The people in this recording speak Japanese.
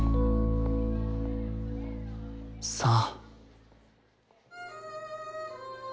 さあ。